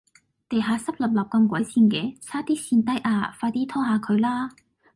地下濕漉漉咁鬼跣嘅，差啲跣低呀，快啲拖吓佢啦